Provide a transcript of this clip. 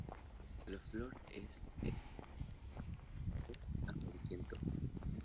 La flor es hermafrodita, de color amarillento.